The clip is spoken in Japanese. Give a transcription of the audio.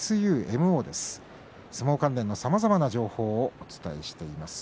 相撲関連のさまざまな情報をお伝えしています。